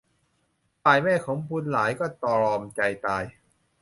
ฝ่ายแม่ของบุญหลายก็ตรอมใจตาย